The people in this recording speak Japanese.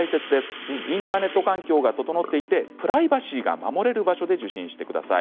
インターネット環境が整っていてプライバシーが守れる場所で受診してください。